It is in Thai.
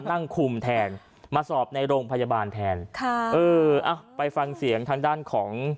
นั่งคุมแทนมาสอบในโรงพยาบาลแทนค่ะเอออ่ะไปฟังเสียงทางด้านของ